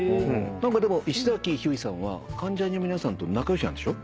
でも石崎ひゅーいさんは関ジャニの皆さんと仲良しなんでしょ？